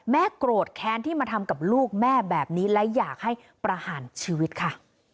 โกรธแค้นที่มาทำกับลูกแม่แบบนี้และอยากให้ประหารชีวิตค่ะ